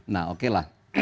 nah oke lah